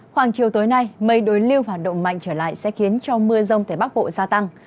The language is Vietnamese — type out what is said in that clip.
khoảng chiều tối nay mây đối lưu hoạt động mạnh trở lại sẽ khiến cho mưa rông tại bắc bộ gia tăng